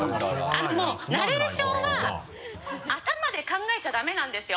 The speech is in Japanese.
ナレーションは頭で考えちゃダメなんですよ。